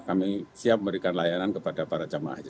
kami siap memberikan layanan kepada para jemaah haji